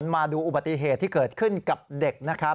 มาดูอุบัติเหตุที่เกิดขึ้นกับเด็กนะครับ